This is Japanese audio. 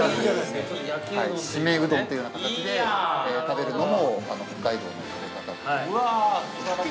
締めうどんというような形で食べるのも、北海道の食べ方。